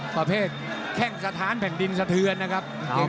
ประเภทแข้งสถานแผ่นดินสะเทือนนะครับ